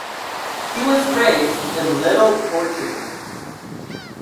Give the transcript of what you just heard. He was raised in Little Portugal.